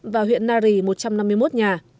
và huyện nari một trăm năm mươi một nhà